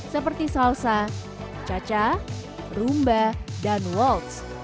seperti salsa caca rumba dan walks